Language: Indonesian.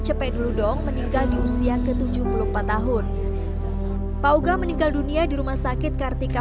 capek dulu dong meninggal di usia ke tujuh puluh empat tahun pauga meninggal dunia di rumah sakit kartika